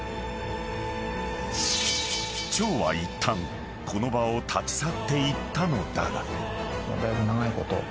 ［張はいったんこの場を立ち去っていったのだが］